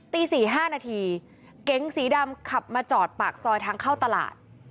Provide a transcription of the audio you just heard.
ตี๔๕นาทีเก๋งสีดำขับมาจอดปากซอยทางเข้าตลาด